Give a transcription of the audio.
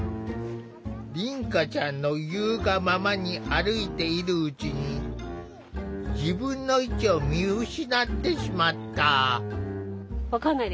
凛花ちゃんの言うがままに歩いているうちに自分の位置を見失ってしまった。